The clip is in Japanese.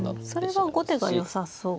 それは後手がよさそうですね。